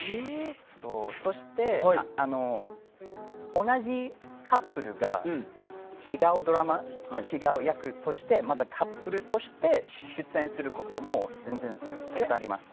そして同じカップルが違うドラマ、違う役としてまたカップルとして出演することも全然たくさんあります。